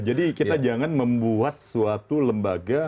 kita jangan membuat suatu lembaga